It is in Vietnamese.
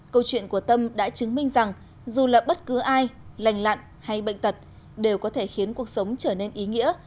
câu chuyện của tâm đã chứng minh rằng dù là bất cứ ai lành lặn hay bệnh tật đều có thể khiến cuộc sống trở nên ý nghĩa